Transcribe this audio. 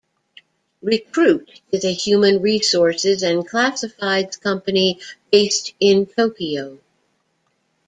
Recruit is a human resources and classifieds company based in Tokyo.